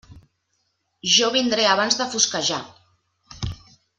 Jo vindré abans de fosquejar.